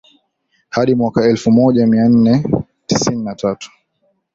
hadi mwaka elfu moja mia nane tisini na tatu